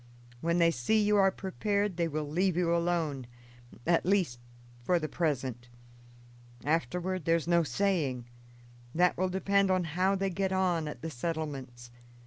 When they see you are prepared they will leave you alone; at least, for the present. Afterward there's no saying that will depend on how they get on at the settlements.